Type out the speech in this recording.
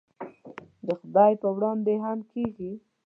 د خدای په وړاندې هم کېږي.